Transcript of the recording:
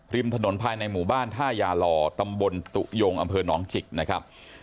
ริมถนนภายในหมู่บ้านท่ายาลอตำบลตุยงอำเภอหนองจิกนะครับ